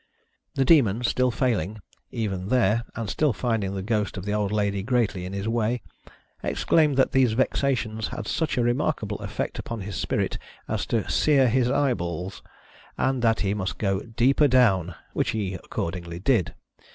The Demon still failing, even there, and still finding the ghost of the old lady greatly in his way, exclaimed that these vexations had such a remarkable effect upon his spirit as to "sear his eyeballs," and that he must go "deeper down," which he accordingly did.